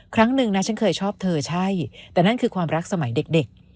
ครั้งหนึ่งนะฉันเคยชอบเธอใช่แต่นั่นคือความรักสมัยเด็ก